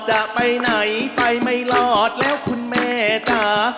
จะไปไหนไปไม่รอดแล้วคุณแม่จ๋า